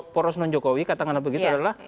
porosnon jokowi katakanlah begitu adalah